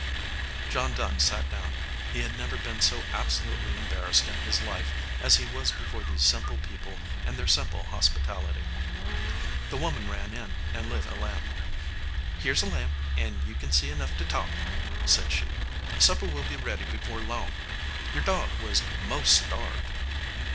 John Dunn sat down. He had never been so ab solutely embarrassed in his life as he was before these simple people and their simple hospitality. The woman ran in and lit a lamp. "Here s a lamp, and you kin see enough to talk," said she. "Supper will be ready before long. Your dog was most starved."